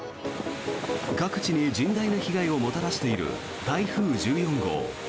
各地に甚大な被害をもたらしている台風１４号。